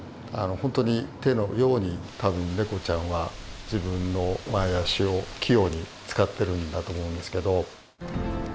本当に手のように多分ネコちゃんは自分の前足を器用に使ってるんだと思うんですけど。